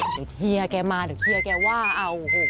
เดี๋ยวเฮียแกมาเดี๋ยวเฮียแกว่าโอ้โฮ